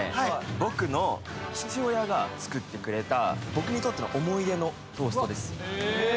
僕の父親が作ってくれた僕にとっての思い出のトーストですへえ・